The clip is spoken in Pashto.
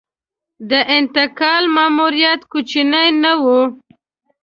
د انتقال ماموریت کوچنی نه و.